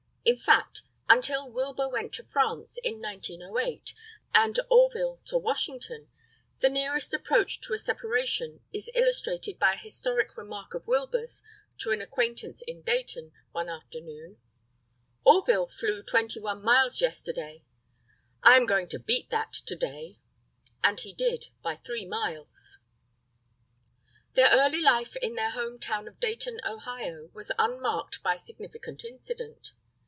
In fact, until Wilbur went to France in 1908, and Orville to Washington, the nearest approach to a separation is illustrated by a historic remark of Wilbur's to an acquaintance in Dayton, one afternoon: "Orville flew 21 miles yesterday; I am going to beat that to day." And he did by 3 miles. Their early life in their home town of Dayton, Ohio, was unmarked by significant incident.